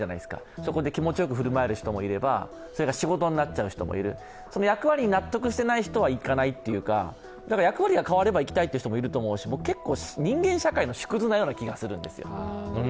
そこで気持ちよく振る舞える人もいればそれが仕事になっちゃう人もいる、その役割に納得していない人は行かないというかだから役割が変われば行きたいという人もいると思うし僕、結構人間社会の縮図のような気がするんですよ。